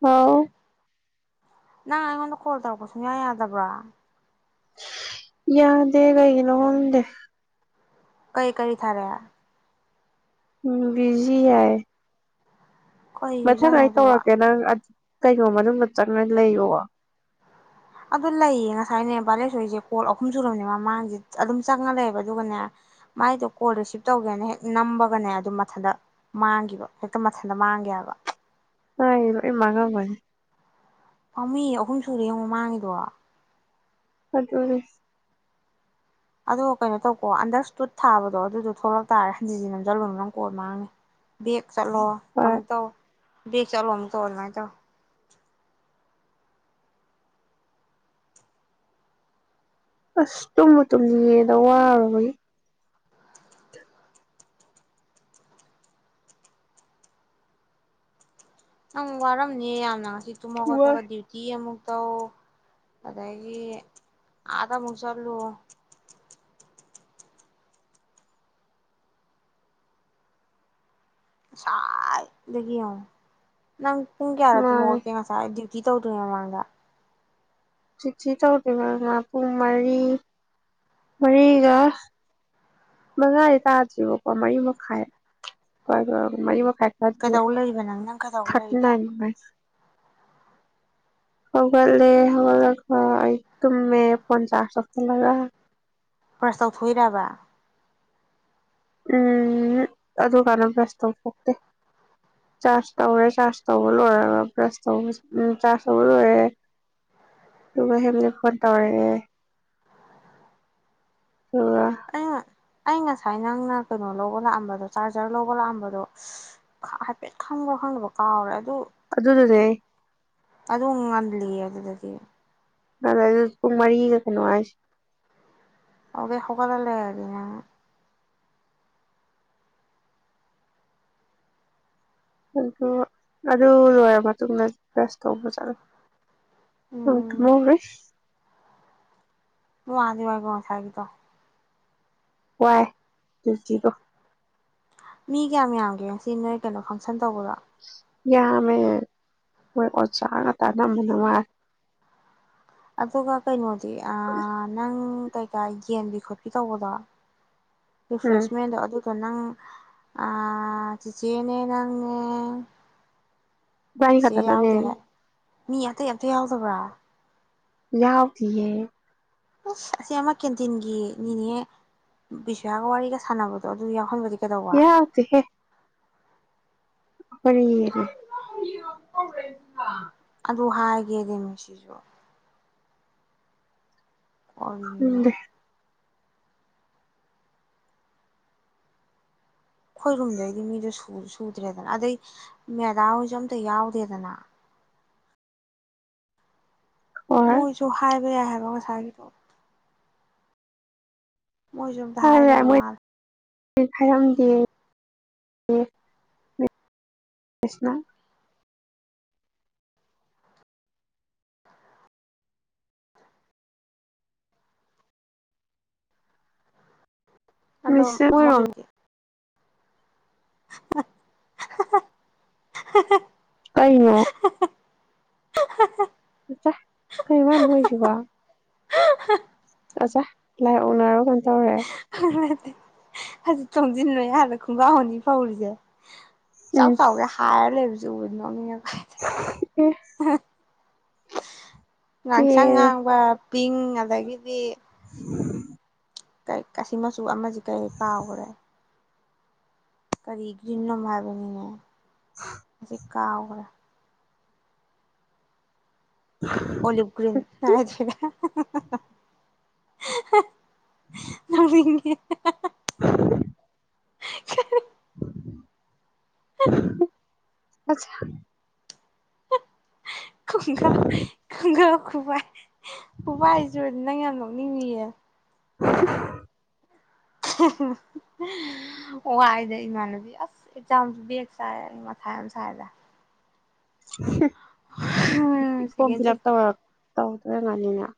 ꯍꯥꯎ ꯅꯪ ꯑꯩꯉꯣꯟꯗ ꯀꯣꯜ ꯇꯧꯔꯛꯄ ꯁꯨꯡꯌꯥ ꯌꯥꯗꯕ꯭ꯔꯥ ꯌꯥꯗꯦ ꯀꯩꯒꯤꯅꯣ ꯈꯪꯗꯦ ꯀꯩ ꯀꯔꯤ ꯊꯥꯔꯦ ꯎꯝ ꯕꯤꯖꯤ ꯍꯥꯏ ꯃꯊꯪ ꯀꯔꯤꯖꯥꯠꯅꯣ ꯑꯩ ꯑꯗꯨꯕꯣ ꯇꯧꯔꯛꯀꯦ ꯅꯪ ꯀꯩꯅꯣ ꯃꯅꯨꯡꯗ ꯆꯪꯉ ꯂꯩꯋꯣ ꯑꯗꯨ ꯂꯩꯌꯦ ꯉꯁꯥꯏꯅꯦ ꯚꯂꯦꯛꯁꯣꯏꯔꯤꯁꯦ ꯀꯣꯜ ꯑꯍꯨꯝ ꯁꯨꯔꯕꯅꯤ ꯃꯃꯥꯡꯁꯦ ꯑꯗꯨꯝ ꯆꯪꯉ ꯂꯩꯕ ꯑꯗꯨꯒꯅꯦ ꯃꯥꯏꯗꯣ ꯀꯣꯜ ꯔꯤꯁꯤꯞ ꯇꯧꯒꯦꯅ ꯍꯦꯛ ꯅꯝꯕꯒꯅꯦ ꯑꯗꯨ ꯃꯊꯟꯇ ꯃꯥꯡꯒꯤꯕ ꯍꯦꯛꯇ ꯃꯊꯟꯇ ꯃꯥꯡꯒꯤ ꯍꯥꯏꯕ ꯑꯩ ꯂꯣꯏ ꯃꯥꯡꯉꯝꯃꯅꯤ ꯄꯥꯎꯃꯤ ꯑꯍꯨꯝ ꯁꯨꯔꯦ ꯌꯦꯡꯉꯣ ꯃꯥꯡꯉꯤꯗꯣ ꯑꯗꯨꯅꯦ ꯑꯗꯣ ꯀꯩꯅꯣ ꯇꯧꯀꯣ ꯑꯟꯗꯔ ꯁꯇꯨꯠ ꯊꯥꯕꯗꯣ ꯑꯗꯨꯗꯣ ꯊꯣꯛꯂꯛ ꯇꯥꯔ ꯍꯟꯖꯤ ꯁꯤ ꯅꯝꯁꯤꯜꯂꯨꯅꯣ ꯅꯪ ꯀꯣꯜ ꯃꯥꯡꯅꯤ ꯕꯦꯛ ꯆꯠꯂꯣ ꯍꯣꯏ ꯑꯃꯨꯛ ꯇꯧꯑꯣ ꯕꯦꯛ ꯆꯠꯂꯣ ꯑꯃꯨꯛꯇꯧ ꯑꯗꯨꯃꯥꯏ ꯇꯧ ꯑꯁ ꯇꯨꯝꯕ ꯇꯨꯝꯅꯤꯡ ꯉꯦꯗ ꯋꯥꯔꯨꯕꯒꯤ ꯑ ꯋꯥꯔꯝꯅꯦ ꯌꯥꯝꯅ ꯇꯨꯝꯕ ꯋꯥꯏ ꯍꯧꯖꯠꯄꯒ ꯗꯤꯎꯇꯤ ꯑꯃꯨꯛ ꯇꯧ ꯑꯗꯒꯤ ꯑꯥꯗ ꯑꯃꯨꯛ ꯆꯠꯂꯨ ꯁꯥꯏꯗꯒꯤ ꯌꯦꯡꯉꯣ ꯅꯪ ꯄꯨꯡ ꯀꯌꯥꯗ ꯇꯨꯝ ꯃꯥꯅꯦ ꯍꯧꯒꯠꯀꯦ ꯉꯁꯥꯏ ꯗꯨꯏ ꯀꯤ ꯇꯧꯗ꯭ꯔꯤꯉꯩ ꯃꯃꯥꯡꯗ ꯆꯤꯊꯤ ꯇꯧꯗꯔꯤꯕ ꯄꯨꯡ ꯃꯔꯤ ꯃꯔꯤꯒ ꯃꯉꯥꯗꯤ ꯇꯥꯗ꯭ꯦꯔꯤꯕꯀꯣ ꯃꯔꯤ ꯃꯈꯥꯏ ꯍꯣꯏ ꯃꯔꯤ ꯃꯈ ꯍꯥꯏ ꯊꯔꯇꯤ ꯀꯩꯗꯧ ꯂꯩꯔꯤꯕ ꯅꯪ ꯅꯪ ꯀꯩꯗꯧ ꯂꯩꯔꯤꯕ꯭ꯔꯥ ꯊꯔꯇꯤꯅꯥꯏꯟ ꯍꯧꯒꯠꯂꯦ ꯍꯧꯒꯠꯂꯒ ꯑꯩ ꯇꯨꯝꯃꯦ ꯐꯣꯟ ꯆꯥꯔꯁ ꯇꯧꯁꯤꯜꯂꯒ ꯄ꯭ꯔꯁ ꯇꯧꯊꯣꯛꯏꯔꯕ ꯎꯝ ꯑꯗꯨ ꯀꯥꯟꯗ ꯕ꯭ꯔꯁ ꯇꯧꯕꯊꯣꯛꯇꯦ ꯆꯥꯔꯖ ꯇꯧꯔꯦ ꯆꯥꯔꯖ ꯇꯧꯕ ꯂꯣꯏꯔꯒ ꯕ꯭ꯔꯁ ꯇꯧꯕ ꯎꯝ ꯆꯥꯔꯖ ꯇꯧꯕ ꯂꯣꯏꯔꯦ ꯑꯗꯨꯒ ꯍꯦꯝꯂꯤ ꯐꯣꯟ ꯇꯧꯔꯛꯑꯦ ꯊ [unintelligible] ꯑꯩꯅ ꯑꯩ ꯉꯁꯥꯏ ꯅꯪꯅ ꯀꯩꯅꯣ ꯂꯧꯕ ꯂꯥꯛꯑꯝꯕꯗꯣ ꯆꯥꯔꯖꯔ ꯂꯧꯕ ꯂꯥꯛꯑꯝꯕꯗꯣ ꯍꯥꯏꯐꯦꯠ ꯈꯪꯕ꯭ꯔ ꯈꯪꯗꯕ ꯀꯥꯎꯔꯦ ꯑꯗꯨ ꯑꯗꯨꯅꯥꯅꯦ ꯑꯗꯨ ꯉꯜꯂꯤꯌꯦ ꯑꯗꯨꯗꯗꯤ ꯑꯗꯨꯗꯥꯏ ꯗꯨ ꯄꯨꯡ ꯃꯔꯤꯒ ꯀꯩꯅꯣ ꯍꯥꯏꯁꯦ ꯑꯧꯒꯤ ꯍꯧꯒꯠꯂ ꯂꯩꯔꯗꯤꯅꯦ ꯑꯗꯨ ꯑꯗꯨ ꯂꯣꯏꯔ ꯃꯇꯨꯡꯗ ꯕ꯭ꯔꯁ ꯇꯧꯕ ꯆꯠꯂꯨ ꯍ ꯎꯝ ꯃꯃꯦ [unintelligible] ꯃ ꯑꯗꯤ ꯋꯥꯒꯁꯥꯏꯒꯤꯗꯣ ꯋꯥꯏ ꯇꯨ ꯖꯤꯔꯣ ꯃꯤ ꯀꯌꯥꯝ ꯌꯥꯝꯒꯦ ꯁꯤ ꯅꯣꯏ ꯀꯩꯅꯣ ꯐꯪꯁꯟ ꯇꯧꯕꯗꯣ ꯌꯥ ꯃꯦ ꯃꯣꯏ ꯑꯣꯖꯥꯒ ꯇꯥꯟꯅꯕ ꯅꯨꯡꯉꯥꯏ ꯑꯗꯨꯒ ꯀꯩꯅꯣ ꯑꯦ ꯑꯥ ꯅꯪ ꯀꯩꯀꯥ ꯌꯦꯟꯕꯤ ꯈꯣꯠꯄꯤ ꯇꯧꯕꯗꯣ ꯎꯝ ꯔꯤꯐ꯭ꯔꯦꯁꯃꯦꯟꯗꯣ ꯑꯗꯨ ꯅꯪ ꯑ ꯆꯤꯆꯦ ꯅꯦ ꯅꯪꯅꯦ ꯏꯕꯥꯅꯤ ꯆꯦ ꯈꯛꯇ ꯆꯠꯂꯦ ꯌꯥꯎꯗꯦ ꯍꯥꯏ ꯃꯤ ꯑꯇꯩ ꯑꯝꯇ ꯌꯥꯎꯗꯕ꯭ꯔꯣ ꯌꯥꯎꯗꯤꯌꯦ ꯑꯁ ꯑꯁꯤ ꯑꯃ ꯀꯦꯟꯇꯤꯟꯒꯤ ꯅꯤꯅꯦ ꯕꯤꯁ꯭ꯋꯥꯒ ꯋꯥꯔꯤꯒ ꯁꯥꯟꯅꯕꯗꯣ ꯑꯗꯨ ꯌꯥꯎꯍꯟꯂꯗꯤ ꯌꯥꯎꯗꯦꯍꯦ ꯐꯅꯤꯔ [unintelligible] ꯎ ꯑ [inaudible] ꯗꯨ ꯍꯥꯏꯒꯦꯗꯦ ꯃꯁꯤꯁꯨ ꯀꯔꯤꯅꯣ ꯈꯪꯗꯦ ꯑꯩꯈꯣꯏꯔꯨꯝꯗꯩꯗꯤ ꯃꯤꯗꯣ ꯁꯨꯗ꯭ꯔꯦꯗꯅ ꯑꯗꯩ ꯃꯦꯗꯥꯍꯣꯏꯁꯨ ꯑꯝꯇꯥ ꯌꯥꯎꯗꯦꯗꯅ ꯍꯣꯏ ꯃꯣꯏ ꯖꯨ ꯍꯥꯏ ꯍꯥꯏꯒꯁꯥꯏꯒꯤ ꯇ [unintelligible] ꯃꯣꯏꯁꯨ ꯑꯝꯇ ꯍꯥꯏꯗꯕ ꯃꯥꯜꯂꯦ ꯍꯥꯏꯔꯝꯗꯦ ꯀꯁꯃ [unintelligible] ꯑꯗꯣ ꯃꯤꯁ ꯃꯣꯏꯔꯣꯝ ꯃꯖꯨꯝꯒꯤ ꯍꯥ ꯍꯥ ꯍꯥ ꯍꯥ ꯍꯥ ꯀꯩꯅꯣ ꯍꯥ ꯍꯥ ꯀꯩꯅꯣ ꯃꯥꯅꯥ ꯅꯣꯛꯏꯁꯤꯕꯣ ꯑꯆꯥ ꯂꯥꯏ ꯑꯣꯛꯅꯔꯕ ꯀꯩꯅꯣꯇꯧꯔꯦ ꯅꯠꯇꯦ ꯍꯧꯖꯤꯛ ꯇꯣꯡꯁꯤꯟ ꯃꯌꯥꯗ ꯈꯪꯒꯥꯎ ꯑꯅꯤ ꯐꯧꯔꯤꯁꯦ ꯆꯥꯎ ꯎꯝ ꯆꯥꯎꯒꯩ ꯍꯥꯏꯔ ꯂꯩꯕꯖꯦ ꯗꯨꯒ ꯅꯣꯛꯅꯤꯛꯉꯛ ꯑꯦ ꯉꯥꯡꯁꯪ ꯄꯦꯔꯦ ꯉꯥꯡꯕ ꯄꯤꯡ ꯑꯗꯒꯤꯗꯤ ꯀ ꯀꯥꯁꯤꯃꯁ [unintelligible] ꯇꯨ ꯑꯃꯁꯦ ꯀꯔꯤ ꯀꯥꯎꯈ꯭ꯔꯦ ꯀꯔꯤ ꯅꯝ ꯍꯥꯏꯕꯅꯤꯅꯦ [inaudible] ꯀꯥꯎꯒꯔꯦ ꯑꯣꯂꯤꯚ ꯒ꯭ꯔꯤꯟ [unintelligible] [unintelligible] ꯅꯣꯛꯅꯤꯡ ꯑꯦ ꯍꯦ ꯍ ꯍꯦ ꯎ [inaudible] ꯍꯤ ꯍꯤꯛ ꯑꯆꯥ ꯈꯨꯡꯒ ꯈꯨꯡꯒꯥꯎ ꯈꯨꯕꯥꯏ ꯎꯕ ꯍꯥꯏꯁꯨꯨ ꯅꯪ ꯌꯥꯝ ꯅꯣ ꯀꯅꯤ ꯑꯦ [unintelligible] [inaudible] ꯍꯨꯝ ꯍꯨ ꯋꯥꯏꯗ ꯏꯃꯥꯟꯅꯕꯤ ꯑꯁ ꯑꯦꯛꯖꯥꯝꯁꯨ ꯕꯦꯛ ꯆꯥꯏ ꯑꯩ ꯃꯊꯥ ꯌꯥꯝ ꯁꯥꯏꯗ ꯍꯝ ꯐꯣꯝ ꯁꯦꯀꯦꯟ ꯐꯤꯜ ꯁꯦꯝ ꯑꯞ ꯇꯧꯔꯛ ꯇꯧ ꯑꯗꯨ ꯉꯜꯅꯤꯅ [unintelligible]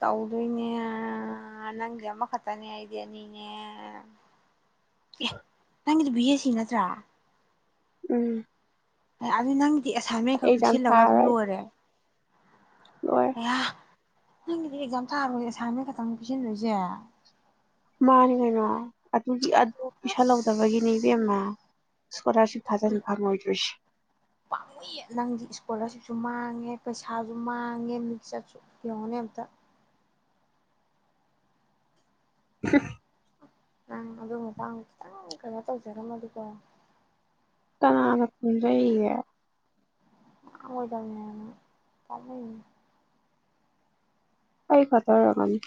ꯇꯧꯗꯣꯏꯅꯦ ꯅꯪꯗꯤ ꯑꯃꯈꯛꯇꯅꯦ ꯑꯩꯗꯤ ꯑꯅꯤꯅꯦ ꯑꯦ ꯅꯪꯒꯤꯗꯨ ꯕꯤꯌꯦ ꯁꯤ ꯅꯠꯇ꯭ꯔꯥ ꯎꯝ ꯑꯗꯨ ꯅꯪ ꯑꯦꯁꯥꯏꯟꯃꯦꯟ ꯈꯛ ꯑꯦꯛꯖꯥꯝ ꯄꯤꯁꯤꯜꯂꯒ ꯑꯗꯨꯝ ꯊꯥꯔꯔꯣꯏ ꯂꯣꯏꯔꯦ ꯂꯣꯏꯔꯦ ꯑꯌꯥ ꯅꯪꯒꯤꯗꯤ ꯑꯦꯛꯖꯥꯝ ꯊꯥꯔꯣꯏ ꯑꯦꯁꯥꯏꯟꯃꯦꯟ ꯈꯛꯇꯪ ꯄꯤꯁꯤꯟꯗꯣꯏꯁꯦ ꯃꯥꯅꯤ ꯀꯩꯅꯣ ꯑꯗꯨꯒꯤ ꯑꯗꯨ ꯄꯤꯁꯤꯜꯂꯧꯗꯕꯒꯤꯅꯤ ꯏꯕꯦꯝꯃ ꯁ꯭ꯀꯣꯂꯔꯁꯤꯞ ꯊꯥꯖꯤꯟ ꯐꯪꯂꯣꯢꯗꯣꯢꯁꯦ ꯁꯨ ꯃꯥꯡꯉꯦ ꯄꯩꯁꯥꯁꯨ ꯃꯥꯡꯉꯦ ꯃꯤꯛꯆꯠꯁꯨ ꯌꯦꯡꯉꯨꯅꯦ ꯑꯝꯇ ꯍꯨꯝ ꯅꯪ ꯑꯗꯨ ꯃꯇꯥꯡ ꯈꯤꯇꯪ ꯀꯩꯅꯣ ꯇꯧꯖꯔꯝꯃꯗꯤꯀꯣ ꯀꯅꯥꯅ ꯈꯪꯖꯩꯌꯦꯒꯦ ꯈꯪꯉꯣꯏꯗꯕꯅꯤ ꯄꯥꯝꯃꯨꯢꯌꯦ ꯑꯩ ꯈꯠꯇ ꯑꯣꯢꯔꯝꯒꯅꯤ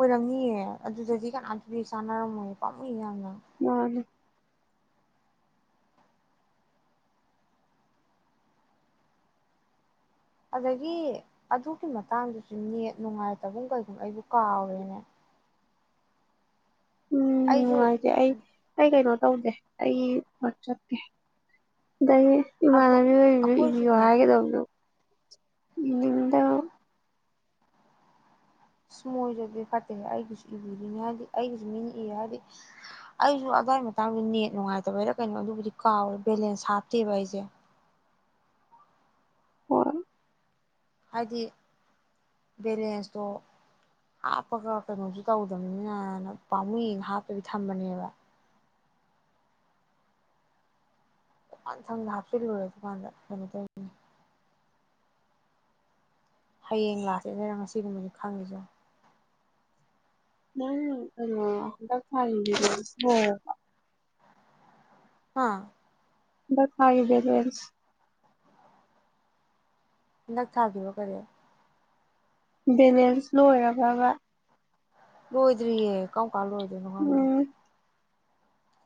ꯑꯣꯏꯔꯝꯅꯤꯑꯦ ꯑꯗꯨꯗꯗꯤ ꯀꯅꯥꯝꯇꯗꯤ ꯚꯦꯠ ꯆꯥꯟꯅꯔꯝꯃꯣꯏꯌꯦ ꯄꯥꯝꯃꯨꯢꯌꯦ ꯌꯥꯝꯅ ꯃꯥꯅꯤ ꯑꯗꯒꯤ ꯑꯗꯨꯒꯤ ꯃꯇꯥꯡꯗꯁꯨ ꯅꯦꯠ ꯅꯨꯡꯉꯥꯏꯇꯕꯨꯝ ꯀꯩꯒꯨꯝ ꯑꯩꯕꯨ ꯀꯥꯎꯔꯦꯅꯦ ꯎꯝ ꯑꯩꯁꯨ ꯅꯨꯉꯥꯢꯇꯦ ꯑꯩ ꯑꯩ ꯀꯩꯅꯣ ꯇꯧꯗꯦ ꯑꯩ ꯋꯥꯆꯞꯀꯤ ꯑꯩ ꯑꯈꯣꯏ ꯏꯃꯥꯟꯅꯕꯤ ꯃꯩꯗꯨꯅ ꯏꯕꯤꯌꯣ ꯑꯩꯈꯣꯏꯁꯨꯅꯦ ꯍꯥꯏꯒꯗꯧꯗꯣ ꯗꯥ ꯑꯁ ꯃꯣꯏꯗꯨꯗꯤ ꯐꯠꯇꯦꯍꯦ ꯑꯩꯒꯤꯁꯨ ꯏꯕꯤꯔꯤꯅꯦ ꯍꯥꯏꯕꯗꯤ ꯑꯩꯒꯤꯁꯨ ꯃꯤꯅ ꯏ ꯍꯥꯏꯗꯤ ꯑꯩꯁꯨ ꯑꯗꯨꯋꯥꯏ ꯃꯇꯥꯡꯗ ꯅꯦꯠ ꯅꯨꯡꯉꯥꯏꯇꯕꯩꯔ ꯀꯩꯅꯣ ꯑꯗꯨꯕꯨꯗꯤ ꯀꯥꯎꯔꯦ ꯕꯦꯂꯦꯟꯁ ꯍꯥꯞꯇꯦꯕ ꯑꯩꯁꯦ [unintelligible] ꯍꯥꯏꯗꯤ ꯕꯦꯂꯦꯟꯁꯇꯣ ꯍꯥꯞꯄꯒ ꯀꯩꯅꯣꯁꯨ ꯇꯧꯗꯕꯅꯤꯅ ꯅ ꯄꯥꯝꯃꯨꯏ ꯌꯦ ꯍꯥꯞꯇꯕꯤ ꯊꯝꯕꯅꯦꯕ [unintelligible] ꯍꯌꯦꯡ ꯂꯥꯁꯗꯦꯠ ꯅꯦꯅ ꯉꯁꯤꯒꯨꯝꯕꯖꯦ ꯈꯪꯉꯤꯁꯦ ꯌꯦꯡꯉꯣ [unintelligible] ꯍꯥ ꯗꯥꯇꯥꯒꯤ ꯕꯦꯂꯦꯟꯁ ꯍꯟꯗꯛ ꯊꯥꯒꯤꯔꯣ ꯀꯔꯤ ꯕꯦꯂꯦꯟꯁ ꯂꯣꯏꯔꯕꯥꯕ ꯂꯣꯏꯗ꯭ꯔꯤꯌꯦ ꯀꯥꯎ ꯀꯝꯀꯥꯟ ꯂꯣꯏꯗꯣꯏꯅꯣ ꯈꯪꯗꯦ ꯎꯝ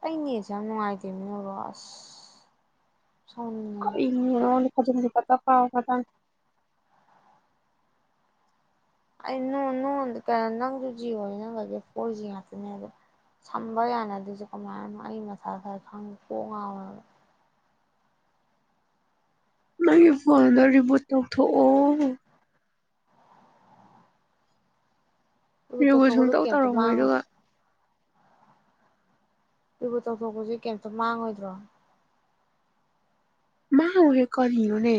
ꯑꯩ ꯅꯦꯠꯁꯦ ꯌꯥꯝ ꯅꯨꯡꯉꯥꯏꯇꯦꯃꯤ ꯅꯣꯏꯕꯣ ꯑꯁ ꯁꯥꯎꯅꯤꯡꯉꯦ [unintelligible] [unintelligible] ꯑꯩ ꯅꯣꯟ ꯅꯣꯟ ꯅꯪꯁꯨ ꯖꯤꯌꯣ ꯅꯤꯅ ꯐꯣꯔ ꯖꯤ ꯉꯥꯛꯇꯅꯦꯕ ꯁꯝꯕ ꯌꯥꯅꯗ꯭ꯔꯤꯁꯦ ꯀꯃꯥꯏꯅꯅꯣ ꯑꯩ ꯃꯊꯥ ꯁꯥꯏ ꯈꯪ ꯀꯣꯛ ꯉꯥꯎꯋꯦ ꯍꯥꯏꯕ ꯅꯪꯒꯤ ꯐꯣꯟꯗꯣ ꯔꯤꯕꯨꯠ ꯇꯧꯊꯣꯛꯑꯣ ꯔꯤꯕꯨꯠ ꯇꯧꯊꯣꯛꯄꯗꯣ ꯁꯨꯡꯇꯧ ꯀꯩꯝꯇ ꯇꯧꯔꯝꯃꯣꯏ ꯃꯥꯡꯉꯣꯏ ꯑꯗꯨꯒ ꯔꯤꯕꯨꯠ ꯇꯧꯊꯣꯛꯄꯁꯤ ꯀꯩꯝꯇ ꯃꯥꯡꯉꯣꯏꯗ꯭ꯔꯣ ꯃꯥꯡꯒꯣꯏꯍꯦ ꯀꯔꯤꯅꯣꯅꯦ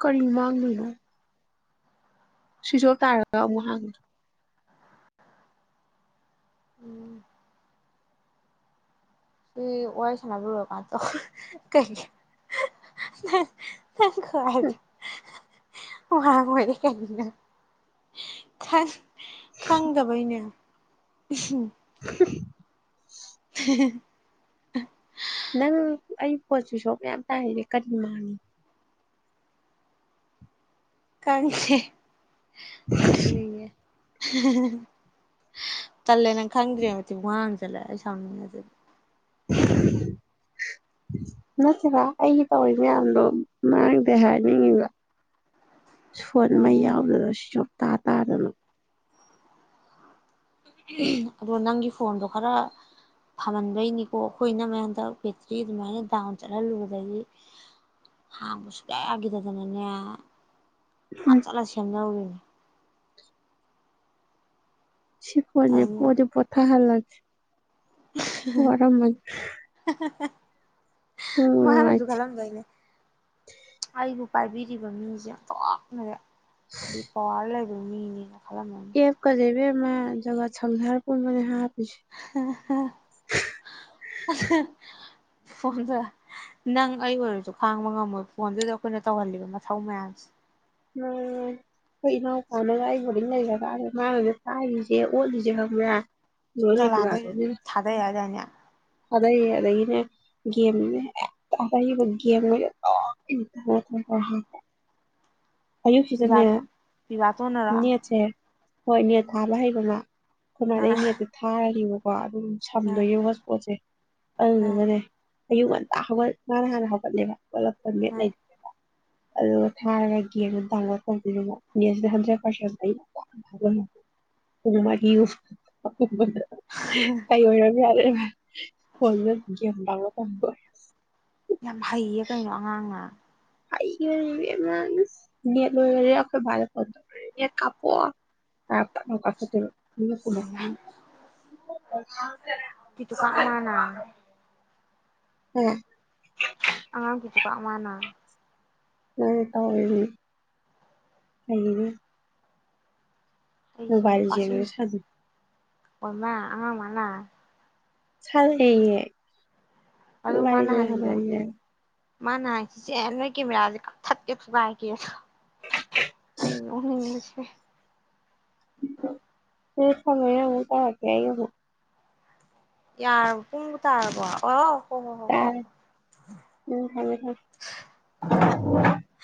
ꯀꯔꯤ ꯃꯥꯡꯗꯣꯏꯅꯣ ꯁꯤꯁꯣꯞ ꯇꯥꯔꯒ ꯑꯃꯨꯛ ꯍꯥꯡ ꯎꯝ ꯁꯤ ꯋꯥꯔꯤ ꯁꯟꯅꯕ ꯂꯣꯏꯔ ꯀꯥꯟꯗ ꯇꯧꯔꯒꯦ ꯀꯩꯒꯤ ꯅꯪ ꯈꯨꯍꯥꯏꯗꯣ [unintelligible] ꯈꯪꯗꯕꯩꯅꯦ [unintelligible] [unintelligible] [unintelligible] ꯅꯪ ꯑꯩ ꯐꯣꯟ ꯁꯤꯁꯣꯞ ꯃꯌꯥꯝ ꯇꯥꯏꯔꯤꯁꯦ ꯀꯔꯤ ꯃꯥꯟ ꯈꯪꯗꯦ [unintelligible] [unintelligible] ꯇꯜꯂꯦ ꯅꯪ ꯈꯪꯗ꯭ꯔꯦ ꯈꯨꯋꯥ ꯅꯦ [unintelligible] ꯅꯠꯇꯦꯕ ꯑꯩꯒꯤ ꯇꯧꯔꯤ ꯃꯌꯥꯝꯗꯣ ꯃꯥꯡꯗꯦ ꯍꯥꯏꯅꯤꯡꯉꯤꯕ [unintelligible] ꯇꯥ ꯇꯥꯗꯅ ꯑꯗꯣ ꯅꯪꯒꯤ ꯐꯣꯟꯗꯣ ꯈꯔ ꯐꯔꯝꯕꯩꯅꯤꯀꯣ ꯑꯩꯈꯣꯏ ꯏꯅꯝꯃꯒꯤ ꯍꯟꯗꯛ ꯕꯦꯇ꯭ꯔꯤ ꯑꯗꯨꯃꯥꯏꯅ ꯗꯥꯎꯟ ꯆꯠꯍꯜꯂꯨꯕꯗꯒꯤ ꯍꯥꯡꯕ ꯁꯨꯡꯌꯥ ꯌꯥꯒꯤꯗꯗꯅꯦ ꯑꯥ ꯎꯝ ꯆꯠꯂ ꯁꯦꯝꯅꯔꯨꯔꯤꯅꯦ ꯁꯤ ꯐꯣꯟꯁꯦ ꯑꯃꯨꯛ ꯄꯣꯗꯤ ꯄꯣꯊꯥ ꯍꯜꯂꯒꯦ [inaudible] ꯋꯥꯔꯝꯃꯟ ꯃꯥꯅꯖꯨ ꯈꯜꯂꯝꯗꯣꯏꯅꯦ ꯑꯩꯕꯨ ꯄꯥꯏꯕꯤꯔꯤꯕ ꯃꯤꯁꯦ ꯊꯣꯛꯅꯅꯦ ꯗꯤ ꯄꯋꯥꯔ ꯂꯩ ꯑꯗꯨ ꯃꯤꯅꯤꯅ ꯑꯦ ꯀꯩꯅꯣ ꯏꯕꯦꯝ ꯃꯦ ꯖꯒꯠ ꯁꯪꯁꯥꯔ ꯄꯨꯝꯕꯅꯦ ꯍꯥꯏꯑꯦꯕ ꯍꯥꯍꯥ ꯍ ꯑꯊꯥ ꯐꯣꯟꯗ ꯅꯪ ꯑꯩ ꯑꯣꯏꯔꯁꯨ ꯈꯥꯡꯕ ꯉꯝꯃꯣꯏ ꯐꯣꯟꯗꯨꯗ ꯑꯩꯈꯣꯏꯅ ꯇꯧꯍꯜꯂꯤꯕ ꯃꯊꯧ ꯃꯌꯥꯝꯁꯦ ꯎꯝ ꯑꯩꯈꯣꯏ ꯏꯅꯥꯎꯄꯥꯅꯒ ꯑꯩ ꯕꯣꯔꯗꯤꯡ ꯂꯩꯈꯔꯀꯥꯟꯗꯗ ꯃꯥꯅꯅꯦ ꯊꯥꯏꯔꯤꯁꯦ ꯑꯣꯠꯂꯤꯁꯦ ꯈꯪꯕ꯭ꯔꯥ ꯂꯣꯏ ꯖꯂꯥꯟꯗꯩ ꯊꯥꯗꯩ ꯍꯥꯏꯗꯥꯏꯅꯦ ꯑꯗꯩ ꯑꯗꯩꯒꯤꯅꯦ ꯒꯦꯝꯗꯨꯅ ꯍꯦꯛꯇ ꯑꯔꯩꯕꯥ ꯒꯦꯝꯒꯩꯁꯦ ꯂꯣꯏꯅ ꯃꯊꯪ ꯃꯊꯪ ꯇꯧꯋꯦ ꯍꯥꯏꯕꯥ ꯄꯤꯕꯥ ꯑꯌꯨꯛꯁꯤꯗꯅꯦ ꯄꯤꯕꯥꯇꯣꯟꯅꯔꯣ ꯅꯦꯠꯁꯦ ꯍꯣꯏ ꯅꯦꯠ ꯊꯥꯕ ꯍꯩꯕ ꯑꯃ ꯑꯩꯈꯣꯏ ꯑ ꯏꯃꯥꯗꯒꯤ ꯅꯦꯠꯇꯣ ꯊꯥꯔꯅꯤꯕ ꯋꯥꯠ ꯎꯝ ꯎꯝ ꯁꯝꯗꯣꯏꯅꯦ ꯍꯣꯠꯁꯄꯣꯠꯁꯦ ꯎꯝ ꯑꯗꯨꯗꯨꯒꯥꯅꯦ ꯑꯌꯨꯛ ꯉꯟꯇꯥ ꯍꯧꯒꯠ ꯃꯥꯅ ꯍꯥꯟꯅ ꯍꯧꯒꯠꯂꯦꯕ [unintelligible] ꯑꯗꯨꯒ ꯎꯝ ꯊꯥꯔꯒ ꯂ ꯇꯧꯕꯤꯔꯣ ꯍꯟꯗ꯭ꯔꯦꯠ ꯄꯔꯁ [unintelligible] [unintelligible] ꯐꯣꯟ ꯃꯦꯠ ꯒꯦꯝ ꯗꯥꯋꯟꯂꯣꯠ ꯇꯟꯕ꯭ꯔꯣ ꯌꯥꯝ ꯍꯩꯌꯦ ꯀꯩꯅꯣ ꯑꯉꯥꯡꯅ ꯍꯩꯈꯔꯦꯗꯥ ꯏꯕꯦꯝꯃ ꯏꯁ ꯅꯦꯠ ꯂꯣꯏꯈ꯭ꯔꯗꯤ ꯑꯩꯈꯣꯏ ꯄꯥꯗ ꯀꯣꯜ ꯇꯧꯗꯣꯏꯅꯦ ꯅꯦꯠ ꯀꯞꯄꯛꯑꯣ ꯍꯥꯏꯔꯒ ꯄꯛꯂꯥꯎ ꯀꯞꯄꯛꯇꯣꯏꯕ ꯏꯅꯦ ꯀꯨꯂꯥꯄꯤ ꯑꯣꯖꯥ [unintelligible] ꯎꯝ ꯆꯤꯄꯥꯛ ꯃꯥꯅ ꯎꯝ ꯇꯧꯔꯦꯅꯦ ꯑꯣꯏꯅꯤꯅꯦ [unintelligible] ꯃꯣꯕꯥꯏꯜ ꯂꯤꯖꯦꯜꯒꯗꯣ ꯁꯥꯅꯧ ꯑꯣꯏ ꯃꯥ ꯑꯉꯥꯡ ꯃꯥꯅ ꯁꯜꯂꯦꯌꯦ ꯑꯗꯨ ꯃꯥ ꯅꯍꯥꯟꯒꯤꯗꯣ [unintelligible] ꯃꯥꯅ ꯍꯥꯢꯁꯦ ꯅꯣꯢ ꯀꯦꯃꯦꯔꯁꯦ ꯀꯛꯊꯠꯀꯦ ꯊꯨꯒꯥꯢꯒꯦ ꯑꯩ ꯅꯣꯛꯅꯤꯡꯕꯅ ꯁꯤꯔꯦ ꯍꯣꯏ ꯊꯝꯃꯒꯦ ꯑꯃꯨꯛ ꯇꯧꯔꯛꯀꯦ ꯑꯩ ꯑꯃꯨꯛ ꯌꯥꯔꯕ ꯄꯨꯡꯕꯨ ꯇꯥꯔꯕꯣ ꯑꯣ ꯍꯣ ꯍꯣ ꯍꯣ ꯍꯣ ꯇꯥꯔꯦ ꯍꯣ ꯎꯝ ꯊꯃꯦ ꯊꯃꯦ [inaudible]